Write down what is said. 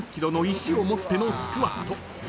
［３０ｋｇの石を持ってのスクワット］